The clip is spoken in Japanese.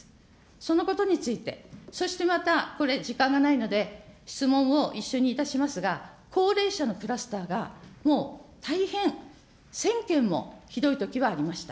そのことについて、そしてまたこれ、時間がないので質問を一緒にいたしますが、高齢者のクラスターが、もう大変１０００件もひどいときはありました。